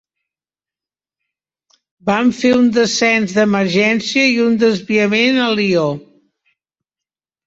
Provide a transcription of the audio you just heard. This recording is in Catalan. Van fer un descens d'emergència i un desviament a Lió.